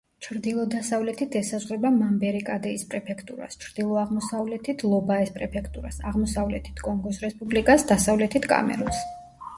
ჩრდილო-დასავლეთით ესაზღვრება მამბერე-კადეის პრეფექტურას, ჩრდილო-აღმოსავლეთით ლობაეს პრეფექტურას, აღმოსავლეთით კონგოს რესპუბლიკას, დასავლეთით კამერუნს.